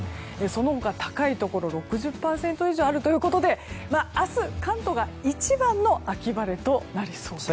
その他、高いところは６０％以上あるということで明日、関東が一番の秋晴れとなりそうです。